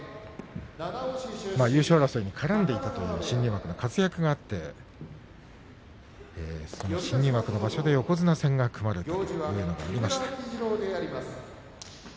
優勝争いに絡んでいったという新入幕の活躍があって新入幕の場所で横綱戦が組まれた豪栄道でありました。